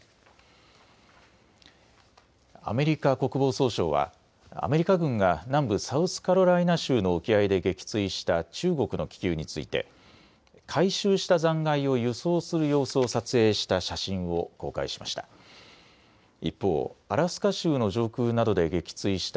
アメリカ国防総省はアメリカ軍が南部サウスカロライナ州の沖合で撃墜した中国の気球について回収した残骸を輸送する様子を撮影した写真を公開しました。